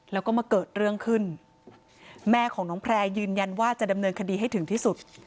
แล้วก็มาเกิดเรื่องขึ้นแม่ของน้องแพร่ยืนยันว่าจะดำเนินคดีให้ถึงที่สุด